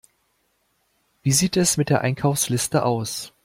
Wie sieht es mit der Einkaufsliste aus?